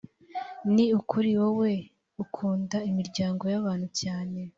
ni ukuri, wowe ukunda imiryango y’abantu cyane.